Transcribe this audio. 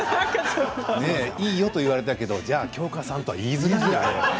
いいよと言われたけどじゃあ、京香さんとは言いづらいよね。